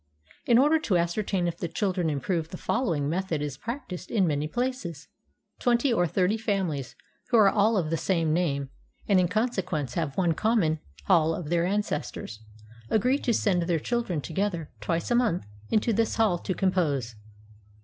In order to ascertain if the children improve, the fol lowing method is practiced in many places: Twenty or thirty families who are all of the same name and in con 212 HOW CHINESE CHILDREN LEARN TO READ sequence have one common hall of their ancestors, agree to send their children together twice a month into this hall to compose.